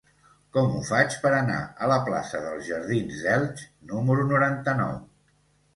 Com ho faig per anar a la plaça dels Jardins d'Elx número noranta-nou?